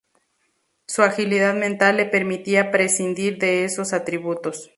Su agilidad mental le permitía prescindir de esos atributos.